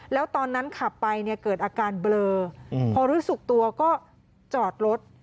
แล้วตอนนั้นขับไปเนี่ยเกิดอาการเบลอพอรู้สึกตัวก็จอดรถ